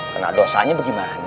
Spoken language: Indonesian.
kena dosanya bagaimana